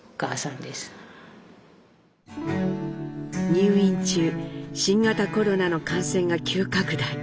入院中新型コロナの感染が急拡大。